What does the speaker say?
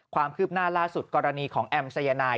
ความคืบหน้าล่าสุดกรณีของแอมสายนาย